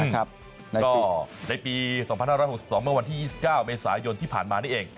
แล้วก็ในปี๒๕๖๒เมื่อวันที่๒๙เมษายนที่ผ่านมานี่เอง